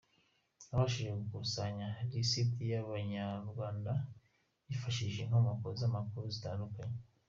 Nabashije gukusanya lisiti y’Abanyarwanda nifashishije inkomoko z’amakuru zitandukanye.”